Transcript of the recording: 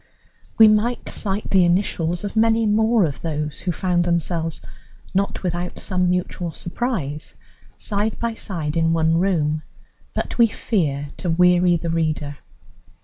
We might cite the initials of many more of those who found themselves, not without some mutual surprise, side by side in one room. But we fear to weary the reader.